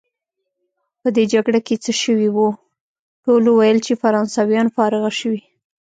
په دې جګړه کې څه شوي وو؟ ټولو ویل چې فرانسویان فارغه شوي.